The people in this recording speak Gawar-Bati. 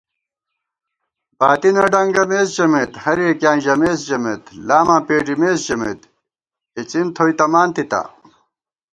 باتی نہ ڈنگَمېس ژمېت، ہریَکِیاں ژمېس ژمېت * لاماں پېڈِمېس ژمېت، اِڅِن تھوئی تمان تِتا